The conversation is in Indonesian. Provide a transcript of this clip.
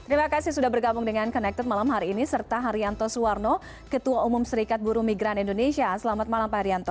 terima kasih sudah bergabung dengan connected malam hari ini serta haryanto suwarno ketua umum serikat buru migran indonesia selamat malam pak haryanto